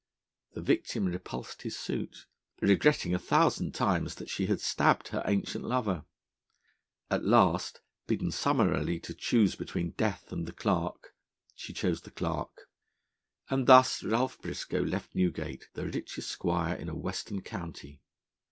The victim repulsed his suit, regretting a thousand times that she had stabbed her ancient lover. At last, bidden summarily to choose between Death and the Clerk, she chose the Clerk, and thus Ralph Briscoe left Newgate the richest squire in a western county.